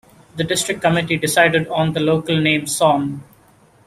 The district committee decided on the local name Sogn.